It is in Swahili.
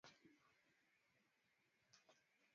yanaweza kuchukua hatua hizo muhimu za kwanza